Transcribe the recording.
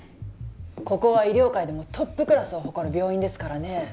ここは医療界でもトップクラスを誇る病院ですからね